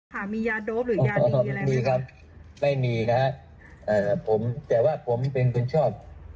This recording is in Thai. หามียาโดพหรือยามีอะไรมีครับไม่มีครับอ่าผมแต่ว่าผมเป็นคนชอบ